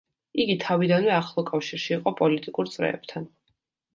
იგი თავიდანვე ახლო კავშირში იყო პოლიტიკურ წრეებთან.